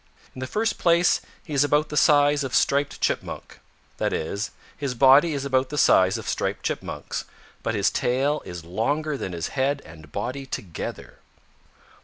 "In the first place he is about the size of Striped Chipmunk. That is, his body is about the size of Striped Chipmunk's; but his tail is longer than his head and body together."